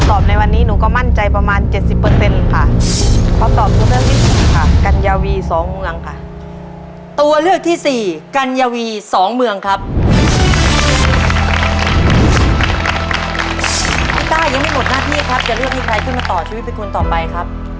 พิการยังไม่หมดหน้าที่จะเลือกใครขึ้นมาต่อชีวิตคุณไปกับ